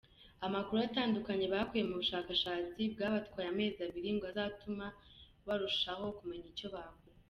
Amakuru atandukanye bakuye mu bushakashatsi bwabatwaye amezi abiri ngo azatuma barushaho kumenya icyo bakora.